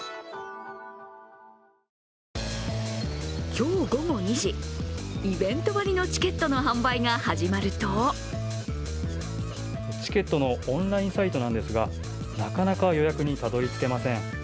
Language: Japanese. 今日午後２時、イベント割のチケットの販売が始まるとチケットのオンラインサイトなんですが、なかなか予約にたどりつけません。